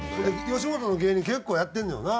吉本の芸人結構やってんのよな。